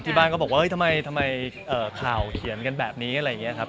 บ้านก็บอกว่าทำไมข่าวเขียนกันแบบนี้อะไรอย่างนี้ครับ